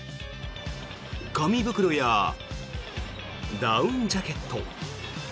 紙袋やダウンジャケット。